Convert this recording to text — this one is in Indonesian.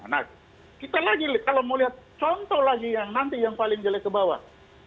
nah kita lagi kalau mau lihat contoh lagi yang nanti yang paling jelek ke bawah